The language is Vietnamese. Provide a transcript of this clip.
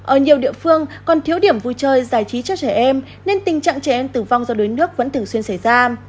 ở nhiều địa phương còn thiếu điểm vui chơi giải trí cho trẻ em nên tình trạng trẻ em tử vong do đuối nước vẫn thường xuyên xảy ra